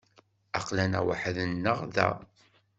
Aql-aneɣ weḥd-neɣ da.